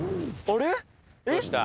どうした？